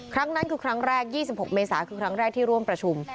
ครั้งนั้นคือครั้งแรก๒๖เมษาคือครั้งแรกที่ร่วมประชุม